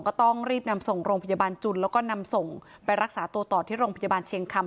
ก็ต้องรีบนำส่งโรงพยาบาลจุนแล้วก็นำส่งไปรักษาตัวต่อที่โรงพยาบาลเชียงคำ